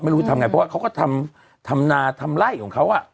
ไม่รู้ทำไงเพราะว่าเขาก็ทำนาทำไล่ของเขา